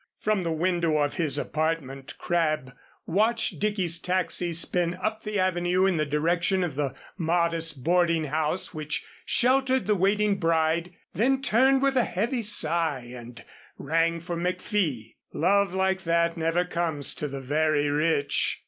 From the window of his apartment Crabb watched Dicky's taxi spin up the avenue in the direction of the modest boarding house which sheltered the waiting bride, then turned with a heavy sigh and rang for McFee. Love like that never comes to the very rich.